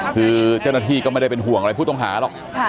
คือเจ้าหน้าที่ก็ไม่ได้เป็นห่วงอะไรผู้ต้องหาหรอก